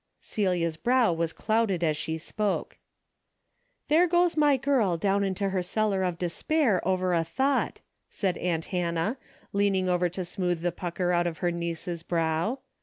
Celia's brow was clouded as she spoke. " There goes my girl down into her cellar of despair over a thought," said aunt Hannah, leaning over to smooth the pucker out of her niece's brow.